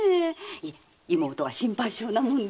いえ義妹は心配性なもんで。